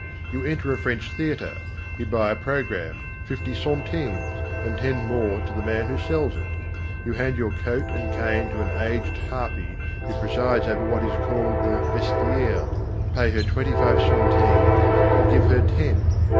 You enter a French theatre. You buy a programme, fifty centimes, and ten more to the man who sells it. You hand your coat and cane to an aged harpy, who presides over what is called the vestiaire, pay her twenty five centimes and give her ten.